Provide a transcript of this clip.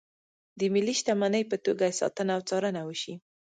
د ملي شتمنۍ په توګه یې ساتنه او څارنه وشي.